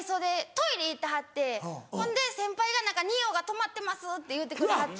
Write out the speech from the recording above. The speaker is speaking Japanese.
トイレ行ってはってほんで先輩が「二葉が止まってます」って言うてくれはって。